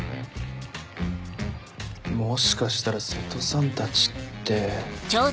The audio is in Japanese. もしかしたら瀬戸さんたちって。